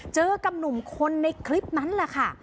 เจอกับหนุ่มคนในคลิปนั้นแหละค่ะ